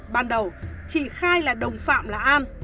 ban đầu chỉ khai là đồng phạm là an